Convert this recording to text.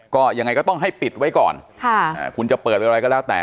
ก็ยังไงก็ต้องให้ปิดไว้ก่อนคุณจะเปิดไว้อะไรก็แล้วแต่